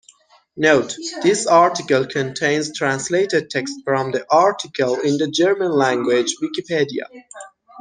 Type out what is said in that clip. "Note: This article contains translated text from the article in the German-language Wikipedia".